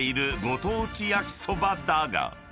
ご当地焼きそばだが］